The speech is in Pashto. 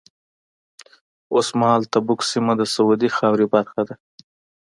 اوس مهال تبوک سیمه د سعودي خاورې برخه ده.